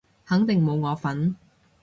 肯定冇我份